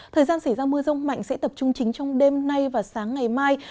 thời gian xảy ra mưa rông mạnh sẽ tập trung chính trong đêm nay và sáng ngày mai